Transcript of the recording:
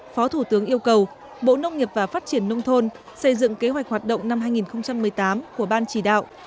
phó thủ tướng yêu cầu bộ nông nghiệp và phát triển nông thôn xây dựng kế hoạch hoạt động năm hai nghìn một mươi tám của ban chỉ đạo